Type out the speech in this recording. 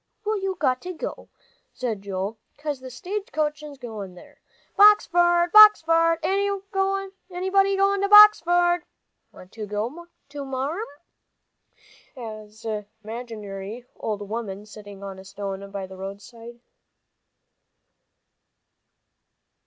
"Well, you've got to," said Joel, "'cause the stage is goin' there. Boxford Boxford! Anybody goin' to Boxford? Want to go, Marm?" an imaginary old woman sitting on a stone by the roadside.